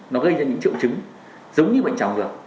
nó gây ra những triệu chứng giống như bệnh trào được